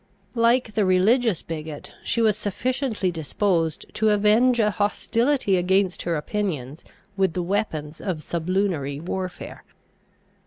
Like the religious bigot, she was sufficiently disposed to avenge a hostility against her opinions with the weapons of sublunary warfare.